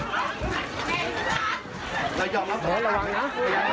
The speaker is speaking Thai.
ไปยักษ์หน้าก็ได้พรุ่งหน้า